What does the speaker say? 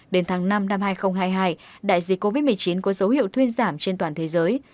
đến tháng năm năm hai nghìn hai mươi hai đại dịch covid một mươi chín có dấu hiệu thuyên giảm trên toàn thế giới